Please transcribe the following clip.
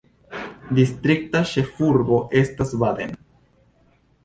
Distrikta ĉefurbo estas Baden.